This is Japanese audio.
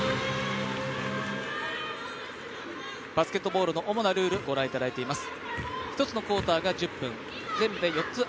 バスケットボールの主なルールをご覧いただいています。